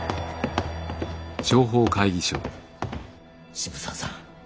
渋沢さん！